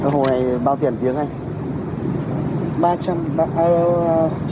hồ này bao tiền tiếng anh